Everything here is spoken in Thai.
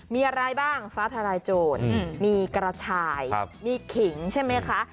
มีอะไรบ้างฟ้าทลายโจรมีกระชายมีขิงใช่ไหมคะ